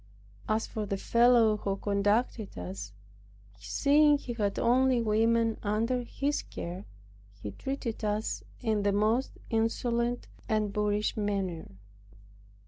As for the fellow who conducted us, seeing he had only women under his care, he treated us in the most insolent and boorish manner.